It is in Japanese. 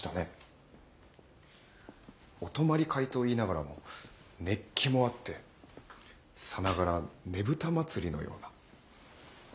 お泊まり会といいながらも熱気もあってさながらねぶた祭のような。